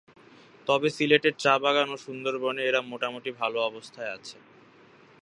তবে সিলেটের চা-বাগান ও সুন্দরবনে এরা মোটামুটি ভালো অবস্থায় আছে।